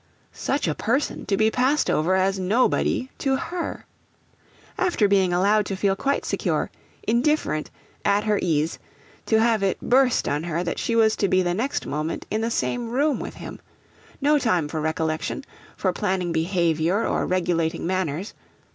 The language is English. Such a person to be passed over as nobody to her! After being allowed to feel quite secure, indifferent, at her ease, to have it burst on her that she was to be the next moment in the same room with him! No time for recollection! for planning behaviour or regulating manners!